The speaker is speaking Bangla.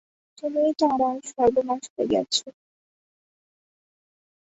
তুমিই তো আমার সর্বনাশ করিয়াছ।